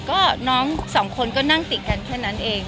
ก็น้องสองคนก็นั่งติดกันแค่นั้นเอง